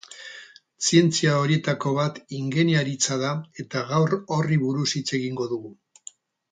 Zientzia horietako bat ingeniaritza da, eta gaur horri buruz hitz egingo dugu.